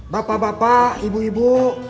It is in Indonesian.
bapak bapak ibu ibu